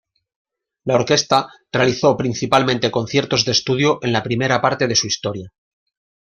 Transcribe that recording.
La orquesta realizó principalmente conciertos de estudio en la primera parte de su historia.